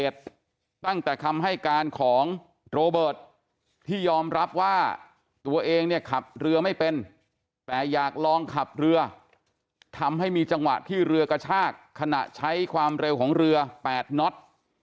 ทำให้มีจังหวะที่เรือกระชากขณะใช้ความเร็วของเรือ๘น็อต